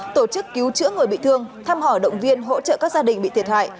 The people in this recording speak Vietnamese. tổ chức cứu chữa người bị thương thăm hỏi động viên hỗ trợ các gia đình bị thiệt hại